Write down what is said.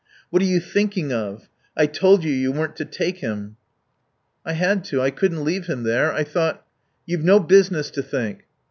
"What are you thinking of? I told you you weren't to take him." "I had to. I couldn't leave him there. I thought " "You've no business to think."